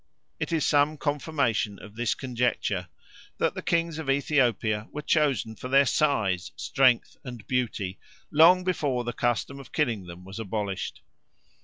It is some confirmation of this conjecture that the kings of Ethiopia were chosen for their size, strength, and beauty long before the custom of killing them was abolished.